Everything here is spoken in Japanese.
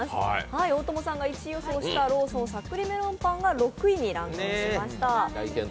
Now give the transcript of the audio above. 大友さんが１位予想したローソン、サックリメロンパンは６位にランクインしました。